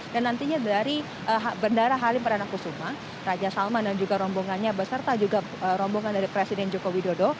dan nantinya dari bendara halim peranakusuma raja salman dan juga rombongannya beserta juga rombongan dari presiden joko widodo